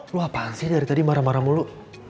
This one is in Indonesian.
lo apaan lihat tadi marah dua mulu